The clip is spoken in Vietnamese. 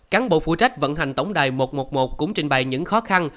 cán bộ phụ trách vận hành tổng đài một trăm một mươi một cũng trình bày những khó khăn